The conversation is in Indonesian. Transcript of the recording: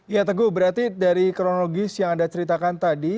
ya teguh berarti dari kronologis yang anda ceritakan tadi